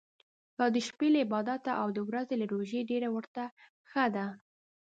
دا د شپې له عبادته او د ورځي له روژې ډېر ورته ښه ده.